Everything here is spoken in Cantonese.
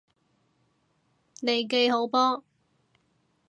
利記好波！